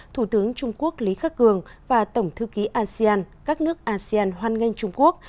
thủ tướng trung quốc lý khắc cường và tổng thư ký asean các nước asean hoan nghênh trung quốc